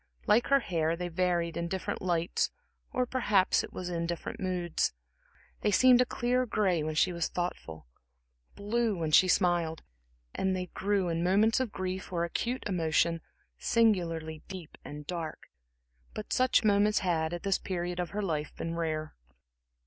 Like her hair, they varied in different lights, or perhaps it was in different moods. They seemed a clear gray when she was thoughtful, blue when she smiled, and they grew, in moments of grief or acute emotion, singularly deep and dark. But such moments had, at this period of her life, been rare.